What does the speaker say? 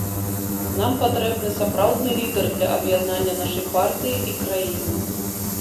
Нам патрэбны сапраўдны лідар для аб'яднання нашай партыі і краіны.